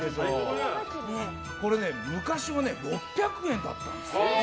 昔は６００円だったんです。